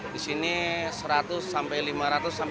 disini bisa jual berapa